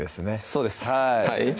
そうですはい